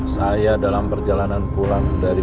saya dalam perjalanan pulang dari